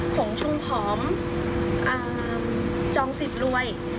ผงชุมผอมจองสิทธิ์รวย